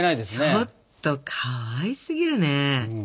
ちょっとかわいすぎるね。